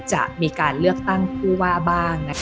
จะมีการเลือกตั้งผู้ว่าบ้าง